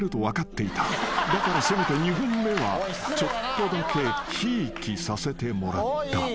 ［だからせめて２本目はちょっとだけひいきさせてもらった］